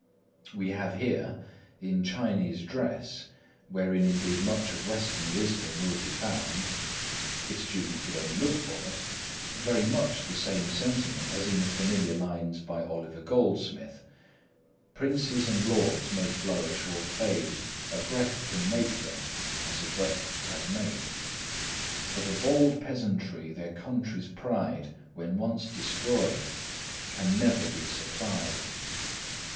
We have here, in Chinese dress, wherein indeed much of Western wisdom will be found, if students will only look for it, very much the same sentiment as in the familiar lines by Oliver Goldsmith:— "Princes and lords may flourish or may fade,— A breath can make them, as a breath has made; But a bold peasantry, their country's pride When once destroyed, can never be supplied."